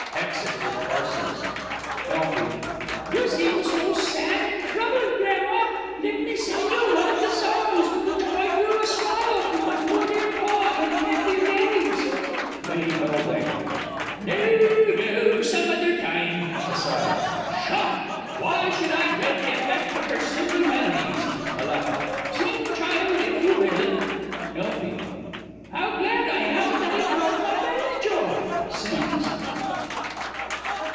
[Exit with parcels. Elfie. You seem so sad and troubled, Grandma. Let me sing you one of the songs with which I drew a smile from poor dear Pa in happier days. Lady B. No, no, some other time. (Aside.) Pshaw! why should I dread the effect of her simple melodies? (Aloud.) Sing, child, if you will. Elfie. How glad I am that I brought my banjo! [_Sings.